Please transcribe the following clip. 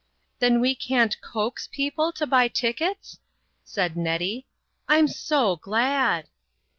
"Then we can't coax people to buy tick ets?" said Nettie. "I'm so glad."